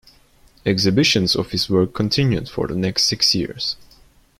Exhibitions of his work continued for the next six years.